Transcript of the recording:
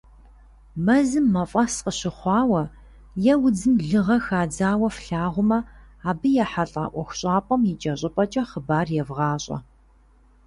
Мэзым мафӀэс къыщыхъуауэ е удзым лыгъэ хадзауэ флъагъумэ, абы ехьэлӏа ӀуэхущӀапӀэм икӏэщӏыпӏэкӏэ хъыбар евгъащӀэ!